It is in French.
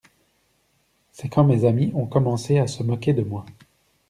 C'est quand mes amis ont commencé à se moquer de moi.